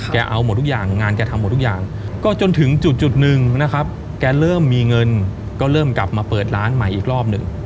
เอาหมดทุกอย่างงานแกทำหมดทุกอย่างก็จนถึงจุดหนึ่งนะครับแกเริ่มมีเงินก็เริ่มกลับมาเปิดร้านใหม่อีกรอบหนึ่ง